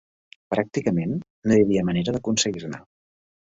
Pràcticament, no hi havia manera d'aconseguir-ne.